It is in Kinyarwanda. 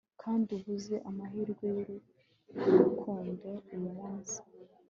kandi ubuze amahirwe y'urukundo uyumunsi